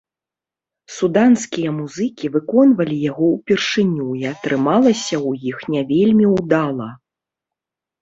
Суданскія музыкі выконвалі яго ўпершыню і атрымалася ў іх не вельмі ўдала.